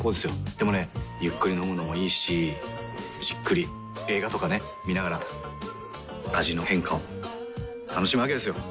でもねゆっくり飲むのもいいしじっくり映画とかね観ながら味の変化を楽しむわけですよ。